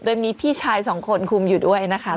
โดยมีพี่ชายสองคนคุมอยู่ด้วยนะคะ